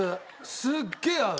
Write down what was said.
すっげえ合う。